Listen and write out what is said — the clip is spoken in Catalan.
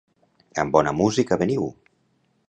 Amb bona música veniu!